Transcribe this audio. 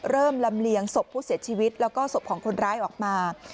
ลำเลียงศพผู้เสียชีวิตแล้วก็ศพของคนร้ายออกมา